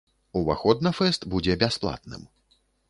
Уваход на фэст будзе бясплатным.